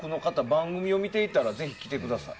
番組を見ていたらぜひ来てください。